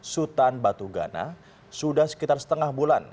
sutan batu gana sudah sekitar setengah bulan